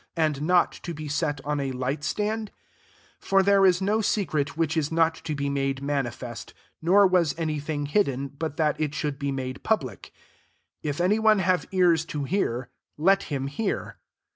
and not to be set on a light stand ? 22 For there is no secret which is not to be made manifest ; nor was any thing hidden, but that it should be made public. 23 If any one have ears to hear, let him hear."